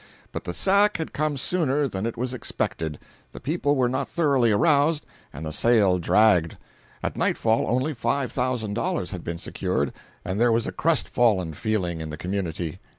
But the sack had come sooner than it was expected; the people were not thoroughly aroused, and the sale dragged. At nightfall only five thousand dollars had been secured, and there was a crestfallen feeling in the community.